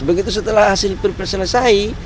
begitu setelah hasil pilpres selesai